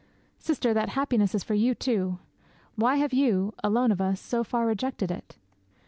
'"Sister, that happiness is for you, too. Why have you, alone of us, so far rejected it?"